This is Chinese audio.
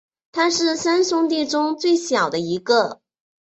他是三兄弟中最小的一个。